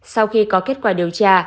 sau khi có kết quả điều tra